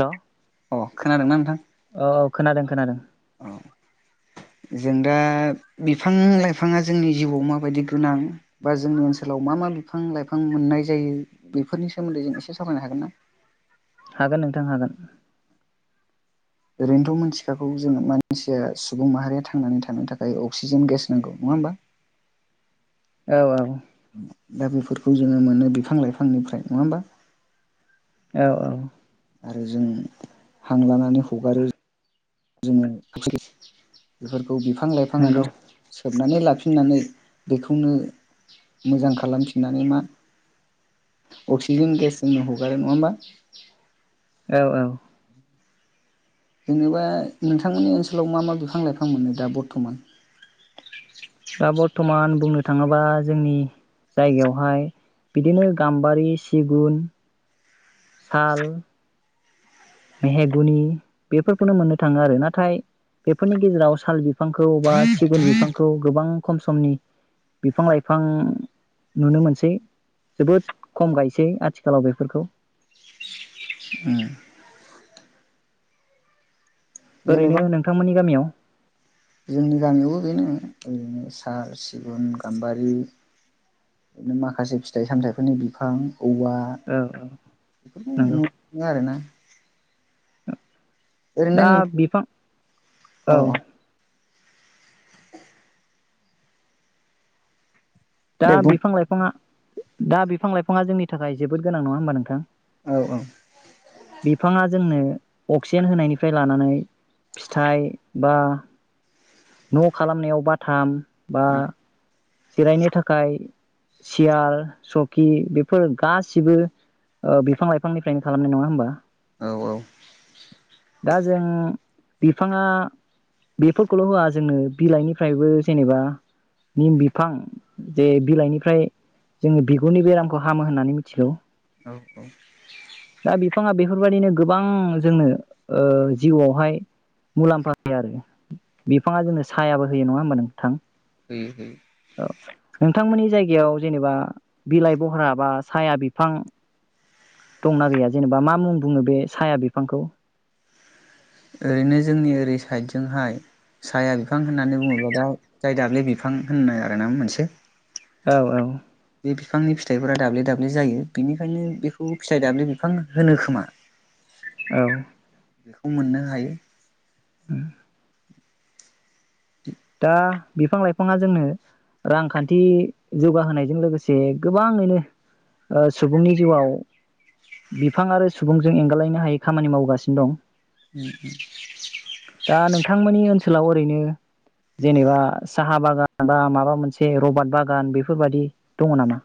Hello अ खोनादोंना नोंथां औ खोनादों खोनादों। औ जों दा बिफां लाइफाङा जोंनि जिउआव माबायदि गोनां बा जोंनि ओनसोलाव मा मा बिफां लाइफां मोननाय जायो बेफोरनि सोमोन्दै जों एसे सावरायनो हागोन ना? हागोन नोंथां हागोन। ओरैनोथ मोनथिखागौ जोंङ मानसिया सुबुं माहारिया थांनानै थानो थाखाय अक्सिजेन गेस नांगौ नङा होमबा? औ औ। दा बेफोरखौ जोङो मोनो बिफां लाइफांनिफ्राय नङा होमबा? औ औ। आरो जों हां लानानै। हगारो। जोङो [unintelligible] खौ बिफां लाइफाङानो नंगौ सोबनानै लाफि फिननानै बेखौनो मोजां खालामफिननानै मा अक्सिजेन गेस जोंनो हगारो नङा होमबा? औ औ। जेनेबा नोंथांमोननि ओनसोलाव मा मा बिफां लाइफां मोनो दा बर्थमान? दा बर बर्थमान बुंनो थाङोबा जोंनि जायगायावहाय बिदिनो गाम्बारि, सिगुन, साल। मेहेगुनि बेफोरखौनो मोननो थाङो। आरो नाथाय बेफोरनि गेजेराव साल बिफांखौ बा सिगुन बिफांखौ गोबां खम समनि बिफां लाइफां नुनो मोनसै जोबोद खम गायसै आथिखालाव बेफोरखौ। जेनेबा ओरैनो नोंथांमोननि गामियाव? जोंनि गामियावबो बेनो ओरैनो साल, सिगुन, गाम्बारि माखासे फिथाइ सामथाइफोरनि बिफां। औवा औ बेफोरखौ नंगौ नुयो आरोना। ओरैनो दा नों बिफां औ। दा दे बुं बिफां लाइफाङा। दा बिफां लाइफाङा जोंनि थाखाय जोबोद गोनां नङा होमबा नोंथां? औ बिफाङा जोंनो। अक्सिजेन होनायनिफ्राय लानानै फिथाइ बा न खालामनायाव बाथाम। बा। जिरायनो थाखाय सियार, सकि बेफोर गासिबो ओ बिफां लाइफांनिफ्रायनो खालामनाय नङा होनबा? औ औ दा जों बिफाङा बेफोरखौल होआ जोंनो बिलाइनिफ्रायबो जेनेबा निम बि बिफां जे बिलाइनिफ्राय जोङो बिगुरनि बेरामखौ हामो होननानै मिथिगौ। औ दा बिफाङा बेफोरबाददिनो गोबां जोंनो ओ जिउआवहाय मुलाम्फा होयो आरो बिफाङा जोंनो सायाबो होयो नङा होमबा नोंथां? औ नोंथांमोननि जायगायाव जेनेबा बिलाइ बहरा बा साया बिफां। दंना गैया जेनेबा मा मुं बुङो बे साया बिफांखौ? ओरैनो जोंनि ओरै साइदजोंहाय साया बिफां होननानै बुङोबा दा जाय दाब्लि बिफां होनो आरो ना मोनसे। औ औ। बे बिफांनि फिथाइफोरा दाब्ले दाब्ले जायो बिनिखायनो बेखौ फिथाइ दाब्लि बिफां होनो खोमा? औ। बेखौ मोननो हायो। उम दा बिफां लाइफाङा जोंनो रांखान्थि जौगाहोनायजों लोगोसे गोबाङैनो ओ सुबुंनि जिउआव बिफां आरो सुबुंजों एंगालायनो हायै खामानि मावगासिनो दं। दा नोंथांमोननि ओनसोल ओनसोलाव ओरैनो जेनेबा साहा बागान बा माबा मोनसे रबट बागान बेफोरबादि दङ नामा?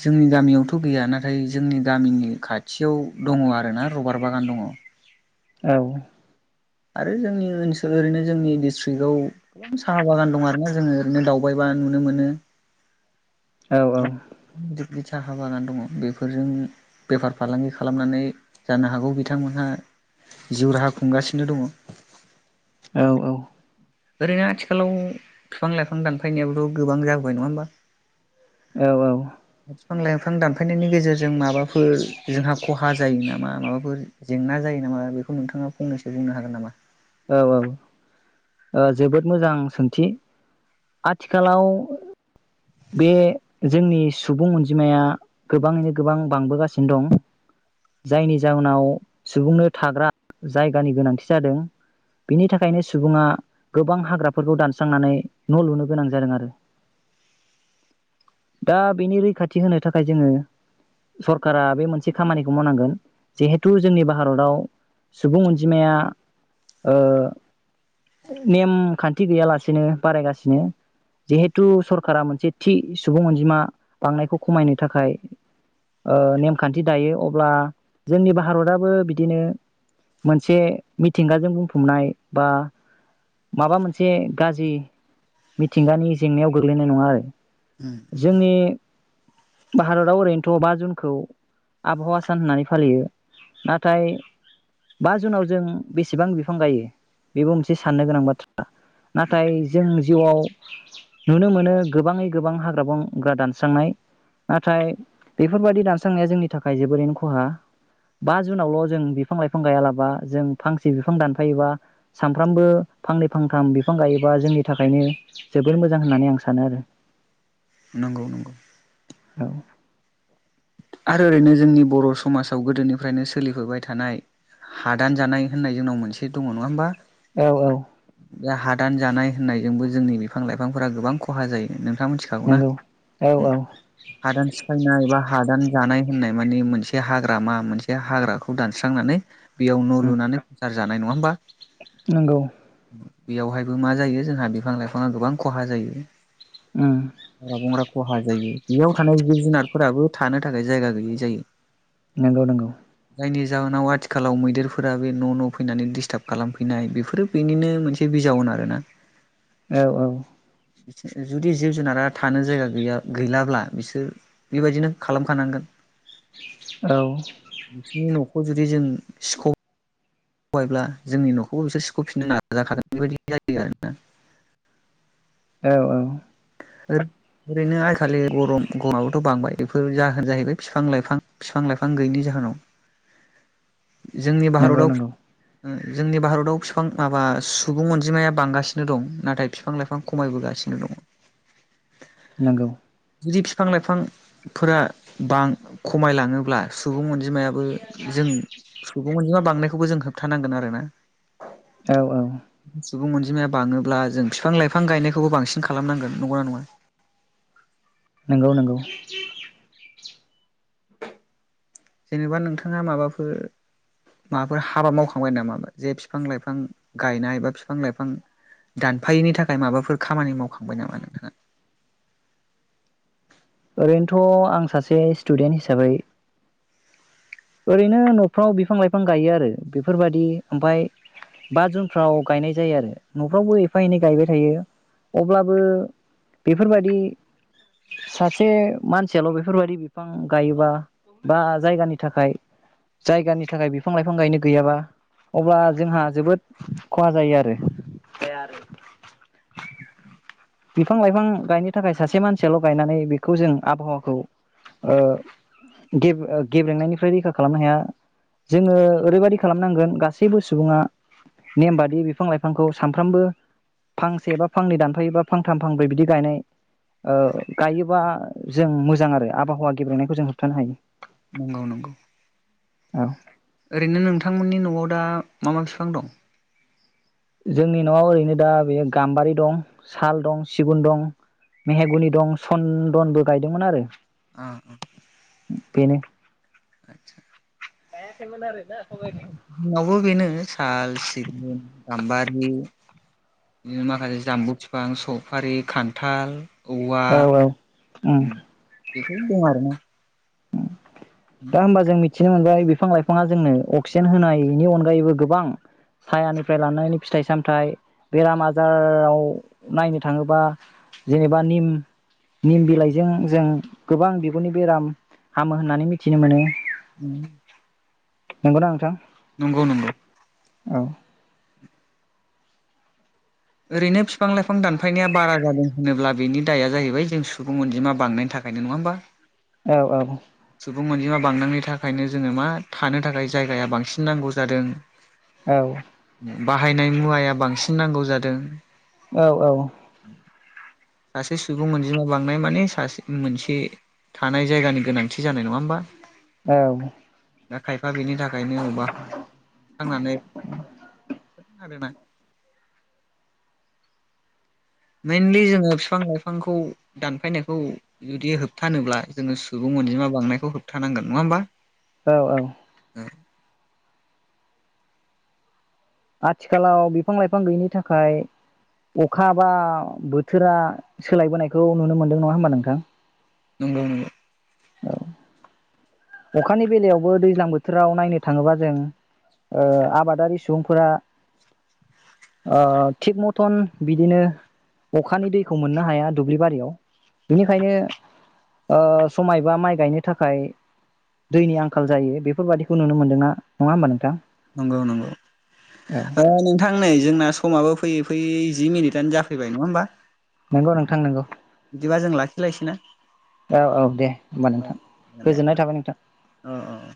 जोंनि गामियावथ गैया नाथाय जोंनि गामिनि खाथियाव दङ आरोना रबार बागान दङ। औ आरो जोंनि ओनसोल ओरैनो जोंनि डिस्ट्रिक्टआव साहा बागान दं आरोना जोङो ओरैनो दावबायबा नुनो मोनो। औ औ बि साहा बागान दङ बेफोरजों बेफार फालांगि खालामनानै जानो हागौ बिथांमोनहा जिउ राहा खुंगासिनो दङ औ औ औ ओरैनो आथिखालाव बिफां लाइफां दानफायनायाबोथ' गोबां जाबोबाय नङा होमबा औ औ बिफां लाइफां दानफायनायनि गेजेरजों माबाफोर जोंहा खहा जायो नामा माबाफोर जेंना जायो नामा बेखौ नोंथाङा फंनैसो बुंनो हागोन नामा? औ औ औ ओ जोबोद मोजां सोंथि आथिखालाव बे जोंनि सुबुं अनजिमाया गोबाङैनो गोबां बांबोगासिनो दं जायनि जाहोनाव सुबुंनो थाग्रा जायगानि गोनांथि जादों बेनि थाखायनो सुबुङा गोबां हाग्राफोरखौ दानस्रांनानै न' लुनो गोनां जादों आरो दा बेनि रैखाथि होनो थाखाय जोङो सरकारा बे मोनसे खामानिखौ मावनांगोन जिहेथु जोंनि भारताव सुबुं अनजिमाया ओ नेम खान्थि गैयालासेनो बारायगासिनो जिहेथु सरकारा मोनसे थि सुबुं अनजिमा बांनायखौ खमायनो थाखाय ओ नेमखान्थि दायो अब्ला जोंनि भारतआबो बिदिनो मोनसे मिथिंगाजों बुंफबनाय बा माबा मोनसे गाज्रि मिथिंगानि जेंनायाव गोग्लैनाय नङा आरो जोंनि भारताव ओरैनोथ' बा जुनखौ आबहावा सान होननानै फालियो नाथाय बा जुनाव जों बेसेबां बिफां गायो बेबो मोनसे साननो गोनां बाथ्रा। नाथाय जों जिउआव नुनो मोनो गोबाङै गोबां हाग्रा बंग्रा दानस्रांनाय नाथाय बेफोरबायदि दानस्रांनाया जोंनि थाखाय जोबोरैनो खहा बा जुनावल' जों बिफां लाइफां गायालाबा जों फांसे बिफां दानफायोबा सानफ्रामबो फांनै फांथाम बिफां गायोबा जोंनि थाखायनो जोबोर मोजां होननानै आं सानो आरो नंगौ नंगौ औ आरो ओरैनो जोंनि बर' समाजाव गोदोनिफ्रायनो सोलिफैबाय थानाय हादान जानाय होननाय जोंनाव मोनसे दङ नङा होमबा औ औ इ हादान जानाय होननायजोंबो जोंनि बिफां लाइफांफोरा गोबां खहा जायो नों थाङा मिथिखागौना नंगौ औ ओम औ हादान सिफायनाय बा? हादान जानाय होननाय माने मोनसे हाग्रामा मोनसे हाग्राखौ दानस्रांनानै बेयाव न' उम लुनानै [unintelligible] जानाय नङा होमबा नंगौ बेयावहायबो मा जायो जोंहा बिफां लाइफाङा गोबां खहा जायो। उम हाग्रा बंग्रा खहा जायो। बेयाव थानाय जिब जुनारफोराबो थानो थाखाय जायगा गैयै जायो नोंगौ नोंगौ जायनि जाहोनाव आथिखालाव मैदेरफोरा बे न' न' फैनानै डिस्टार्ब खालामफैनाय बेफोरो बेनिनो मोनसे बिजाउन आरोना औ औ जुदि जिब जुनारा थानो जायगा गैया गैलाब्ला बिसोर बेबायदिनो खालामखानांगोन औ बिथि न जुदि जों सिख' हबायब्ला जोंनि न'खौबो बिसोर सिख'फिननो नाजाखादों बेबायदि जायो आरोना औ औ ओरैनो आइखालि गरम गरमाबोथ' बांबाय बेफोर जाहोन जाहैबाय बिफां लाइफां बिफां लाइफां गैयैनि जाहोनाव जोंनि नंगौ भारताव नंगौ ओ जोंनि भारताव बिफां माबा सुबुं अनजिमाया बांगासिनो दं नाथाय बिफां लाइफां खमायबोगासिनो दङ। नंगौ जुदि बिफां लाइफांफोरा बां खमाय लाङोब्ला सुबुं अनजिमायाबो जों सुबुं अनजिमा बांनायखौबो जों होबथानांगोन आरोना औ औ सुबुं अनजिमाया बाङोब्ला जों फिफां लाइफां गायनायखौबो बांसिन खालामनांगोन नंगौना नङा? नोंगौ नोंगौ। जेनेबा नोंथाङा माबाफोर माबाफोर हाबा मावखांबाय नामा जे बिफां लाइफां गायनाय बा बिफां लाइफां दानफायैनि थाखाय माबाफोर खामानि मावखांबाय नामा नोंथाङा। ओरैनोथ' आं सासे स्टुदेन्ट हिसाबै ओरैनो न'फ्राव बिफां लाइफां गायो आरो बेफोरबादि ओमफाय बा जुनफ्राव गायनाय जायो आरो न'फ्रावबो एफा एनै गायबाय थायो अब्लाबो बेफोरबादि सासे मानसियाल' बेफोरबायदि बिफां गायोबा बा जायगानि थाखाय जायगानि थाखाय बिफां लाइफां गायनो गैयाबा अब्ला जोंहा जोबोद खहा जायो आरो बिफां लाइफां गायनो थाखाय सासे मानसियाल' गायनानै बेखौ जों आबहावाखौ ओ गेबे ओ गेब्रेंनायनिफ्राय रैखा खालामनो हाया जोङो ओरैबादि खालामनांगोन गासैबो सुबुङा नेम बादि बिफां लाइफांखौ सानफ्रामबो फांसे बा फांनै दानफायोबा फांथाम फांब्रै बिदि गायनाय ओ गायोबा जों मोजां आरो आबहावा गेब्रेनायखौ जों होबथानो हायो नंगौ नंगौ औ। ओरैनो नोंथांमोननि न'आव दा मा मा बिफां दं? जोंनि न'आव ओरैनो दा बेयो गाम्बारि दं साल दं सिगुन दं मेहेगुनि दं सन्दनबो गायदोंमोन आरो ओ उम बेनो जोंनावबो बेनो साल सिबिं गाम्बारि बिनो माखासे जामबु बिफां सफारि खान्थाल औ औ ओम बेफोरनो दं आरो ना। दा होमबा जों मिथिनो मोनबाय बिब फां लाइफाङा जोंनो अक्सिजेन होनायनि अनगायैबो गोबां सायानिफ्राय लानायनि फिथाइ सामथाइ बेराम आजाराव नायनो थाङोबा जेनेबा निम निम बिलाइजों जों गोबां बिगुरनि बेराम हामो होननानै मि थिनो मोनो उम नंगौना नोंथां। नंगौ नंगौ औ ओरैनो बिफां लाइफां दानफायनाया बारा जादों होनोब्ला बेनि दाया जाहैबाय जों सुबुं अनजिमा बांनायनि थाखायनो नङा होमबा औ औ सुबुं अनजिमा बांनांनि थाखायनो जोङो मा थानो थाखाय जायगाया बांसिन नांगौ जादों। औ बाहायनाय मुवाया बांसिन नांगौ जादों। औ औ सासे सुबुं अनजिमा बांनाय माने सासे मोनसे थानाय जायगानि गोनां थि जानाय नङा होनबा। औ ना खाय बेनि थाखायनो बबावबाखांनानै आरोना मोइनलि जोङो फिफां लाइफांखौ दानफायनायखौ जुदि होबथानोब्ला जोङो सुबुं अनजिमा बांनायखौ होबथानांगोन नङा होमबा औ औ [unintelligible] आथिखालाव बिफां लाइफां गैयिनि थाखाय अखा बा बोथोरा सोलायबोनायखौ नुनो मोनदों नङा होमबा नोंथां नंगौ नंगौ अखानि बेलायावबो दैज्लां बोथोराव नायनो थाङोबा जों ओ आबादारि सुबुंफोरा ओ थिग मथन बिदिनो अखानि दैखौ मोननो हाया दुब्लि बारियाव बिनिखायनो ओ समायबा माइ गायनो थाखाय दैनि आंखाल जायो बेफोरबायाददिखौ नुनो मोनदोंना नङा होमबा नोंथां नंगौ नंगौ औ ओ नोंथां नै जोंना समाबो फैयो। फैयै जि मिनिटआनो जाफैबाय नङा होमबा। नंगौ नोंथां नोंगौ। बिदिबा जों लाखिलायसै ना औ औ दे होमबा औ नोंथां दे गोजोननाय थाबाय नोंथां औ औ औ।